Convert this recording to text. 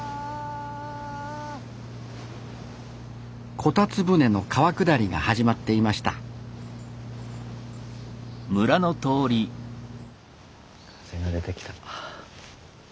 こたつ舟の川下りが始まっていました風が出てきた。